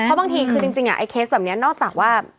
เพราะบางทีคือจริงจริงอ่ะไอเคสแบบเนี้ยนอกจากว่า